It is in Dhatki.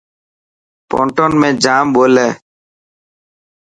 پونٽون ۾ جام ٻولي.